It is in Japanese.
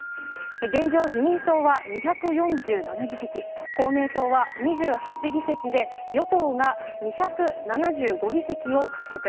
現状、自民党は２４７議席、公明党は２８議席で、与党が２７５議席を獲得。